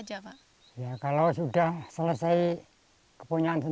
jika tidak petani terpaksa diberi kekuatan